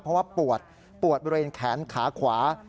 เพราะว่าปวดปวดบริเวณแขนขาขวา